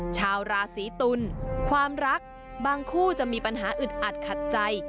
ชาวราศีตุลความรักบางคู่จะมีปัญหาอึดอัดขัดใจ